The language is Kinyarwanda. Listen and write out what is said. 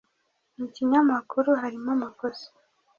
mu kinyamakuru harimo amakosa.